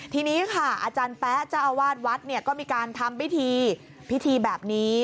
ทีนี้อาจารย์แป๊ะเจ้าอาวาสวัดก็มีการทำพิธีแบบนี้